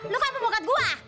lu kan pembokat gua